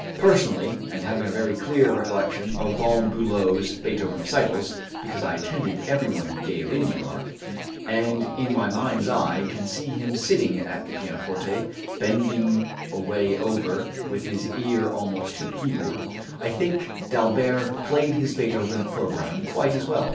Personally, and having a very clear recollection of Von Bülow's Beethoven recitals, because I attended every one he gave in New York, and in my mind's eye can see him sitting at the pianoforte, bending away over, with his ear almost to the keyboard, I think d'Albert played his Beethoven program quite as well.